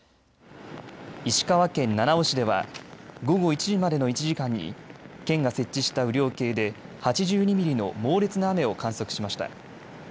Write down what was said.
石川県七尾市では午後１時までの１時間に県が設置した雨量計で８２ミリの猛烈な雨を観測しました。